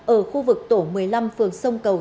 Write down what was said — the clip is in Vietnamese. ở khu vực tổ một mươi năm phường sông cầu